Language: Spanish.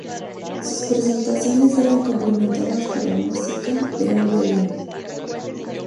Sus presentaciones era complementadas por la música de un violín.